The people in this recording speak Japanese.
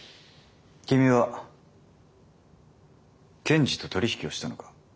君は検事と取り引きをしたのか？